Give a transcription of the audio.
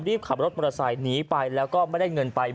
รีบขับรถมอเตอร์ไซค์หนีไปแล้วก็ไม่ได้เงินไป